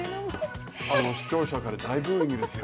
視聴者から大ブーイングですよ。